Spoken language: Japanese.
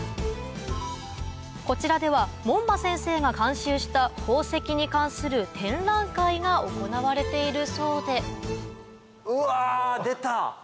こちらでは門馬先生が監修した宝石に関する展覧会が行われているそうでうわ出た！